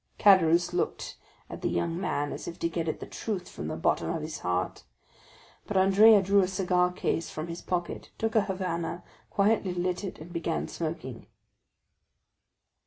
Caderousse looked at the young man, as if to get at the truth from the bottom of his heart. But Andrea drew a cigar case from his pocket, took a Havana, quietly lit it, and began smoking.